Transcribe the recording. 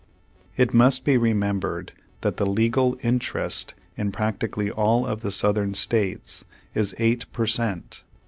It must be remembered that the legal interest in practically all of the Southern states is eight per cent.